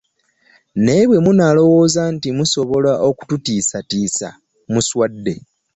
Naye bwe munaalowooza nti musobola okututiisatiisa muswadde